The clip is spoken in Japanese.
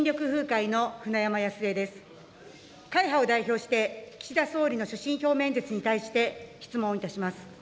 会派を代表して、岸田総理の所信表明演説に対して、質問いたします。